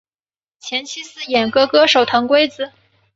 前妻是演歌歌手藤圭子。